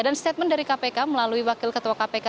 dan statement dari kpk melalui wakil ketua kpk